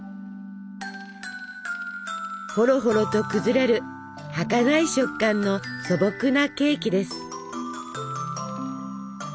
ほろほろと崩れるはかない食感の素朴なケーキです。